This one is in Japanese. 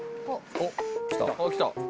「あっ来た」